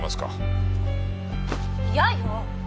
嫌よ！